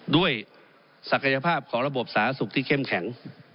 ศักยภาพของระบบสาธารณสุขที่เข้มแข็ง